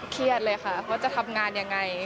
เครียดเลยค่ะว่าจะทำงานยังไง